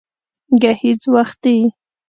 گهيځ وختي